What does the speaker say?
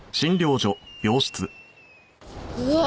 うわ！